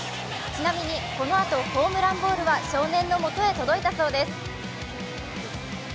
ちなみにこのあと、ホームランボールは少年の元へ届いたそうです。